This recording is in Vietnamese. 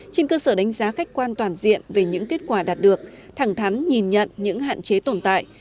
trên cơ sở đánh giá khách quan toàn diện về những kết quả đạt được thẳng thắn nhìn nhận những hạn chế tồn tại